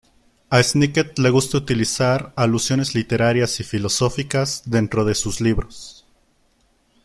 A Snicket le gusta utilizar alusiones literarias y filosóficas dentro de sus libros.